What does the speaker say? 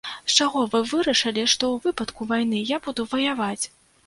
З чаго вы вырашылі, што ў выпадку вайны я буду ваяваць?